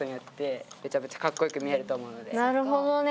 なるほどね。